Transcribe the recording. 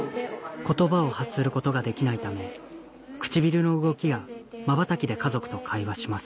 言葉を発することができないため唇の動きやまばたきで家族と会話します